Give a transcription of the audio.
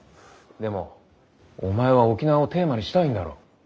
でもお前は沖縄をテーマにしたいんだろ？